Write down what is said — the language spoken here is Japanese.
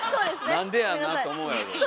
なんでやんなと思うやろうし。